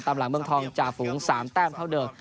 หลังเมืองทองจ่าฝูง๓แต้มเท่าเดิม